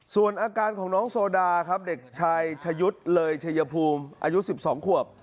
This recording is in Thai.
ส่วนอาการของน้องโซดาครับเด็กชายชะยุทธ์เลยชัยภูมิอายุ๑๒ขวบ